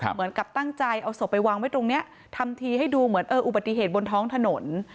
เหมือนกับตั้งใจเอาศพไปวางไว้ตรงนี้ทำทีให้ดูเหมือนเอออุบัติเหตุบนท้องถนน